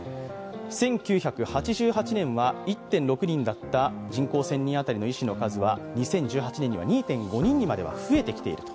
１９８８年は１．６人だった人口１０００人当たりの医師の数は２０１８年には２．５人にまでは増えてきていると。